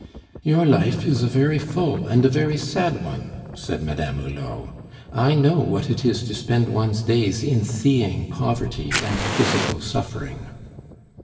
"You life is a very full and a very sad one," said Madame Hulot. "I know what it is to spend one's days in seeing poverty and physical suffering."